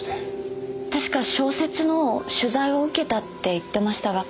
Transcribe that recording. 確か小説の取材を受けたって言ってましたが。